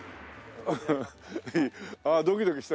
ハハあドキドキした。